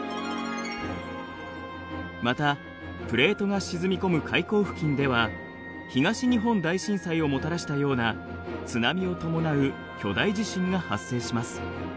またプレートが沈み込む海溝付近では東日本大震災をもたらしたような津波を伴う巨大地震が発生します。